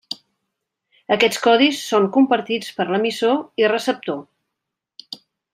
Aquests codis són compartits per l'emissor i receptor.